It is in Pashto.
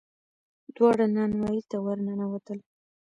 دواړه نانوايي ته ور ننوتل.